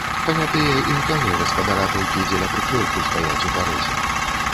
Панятыя і ў таго гаспадара толькі дзеля прыклепу стаяць у парозе.